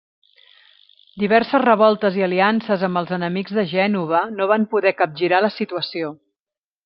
Diverses revoltes i aliances amb els enemics de Gènova no van poder capgirar la situació.